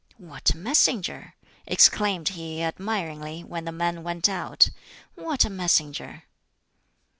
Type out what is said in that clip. "What a messenger!" exclaimed he admiringly, when the man went out. "What a messenger!"